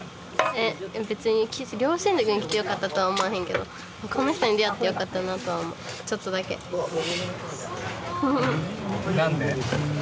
えっ別に良心塾に来てよかったとは思わへんけどこの人に出会ってよかったなとは思うちょっとだけ何で？